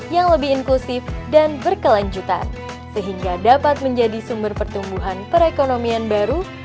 yang lebih inklusif dan berkelanjutan sehingga dapat menjadi sumber pertumbuhan perekonomian baru